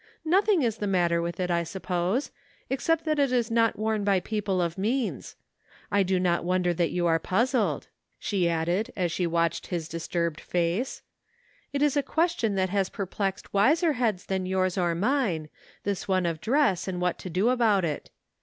" Nothing is the matter with it, I suppose, except that it is not worn by people of means, J 4o ^o^ won4er that jrou CLOTHES. 23 are puzzled," she added, as she watched his dis turbed face. " It is a question that has per plexed wiser heads than yours or mine, this one of dress and what to do about it.